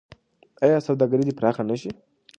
آیا سوداګري دې پراخه نشي؟